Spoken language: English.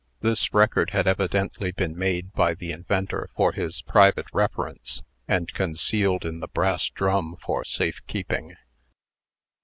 This record had evidently been made by the inventor for his private reference, and concealed in the brass drum for safe keeping.